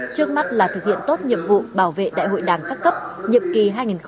trước mắt là thực hiện tốt nhiệm vụ bảo vệ đại hội đảng các cấp nhiệm kỳ hai nghìn hai mươi hai nghìn hai mươi năm